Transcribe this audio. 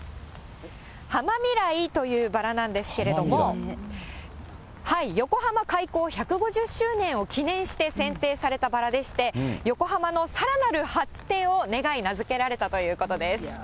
はまみらいというバラなんですけれども、横浜開港１５０周年を記念してせんていされたバラでして、横浜のさらなる発展を願い、名付けられたということです。